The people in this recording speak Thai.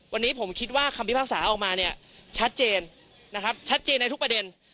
วันนี้ผมคิดว่าคำพิพากษาออกมาเนี่ยชัดเจนนะครับชัดเจนในทุกประเด็น